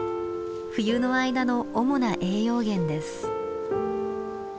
冬の間の主な栄養源です。